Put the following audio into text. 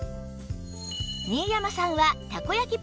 新山さんはたこ焼き